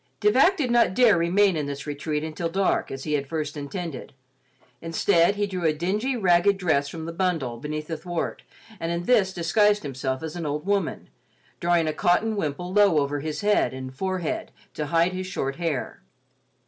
De Vac did not dare remain in this retreat until dark, as he had first intended. Instead, he drew a dingy, ragged dress from the bundle beneath the thwart and in this disguised himself as an old woman, drawing a cotton wimple low over his head and forehead to hide his short hair.